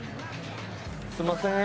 すみません。